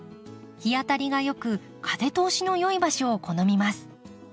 日当たりが良く風通しの良い場所を好みます。